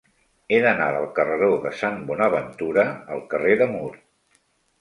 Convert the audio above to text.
He d'anar del carreró de Sant Bonaventura al carrer de Mur.